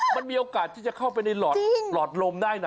มันมีโอกาสที่จะเข้าไปในหลอดลมได้นะ